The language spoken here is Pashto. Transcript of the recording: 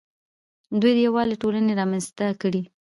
دوی د یووالي ټولنې رامنځته کړې